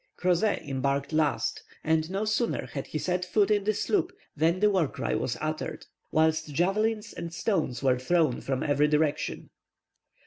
Crozet embarked last, and no sooner had he set foot in the sloop than the war cry was uttered; whilst javelins and stones were thrown from every direction.